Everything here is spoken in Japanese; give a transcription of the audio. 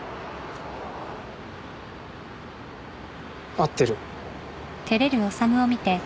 合ってる。